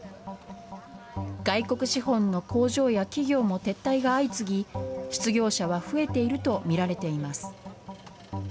外国資本の工場や企業も撤退が相次ぎ、失業者は増えていると見られています。